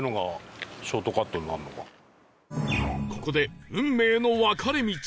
ここで運命の分かれ道